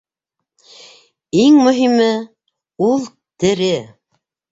Иң мөһиме - ул тере.